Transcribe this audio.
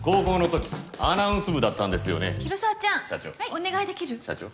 お願いできる？社長？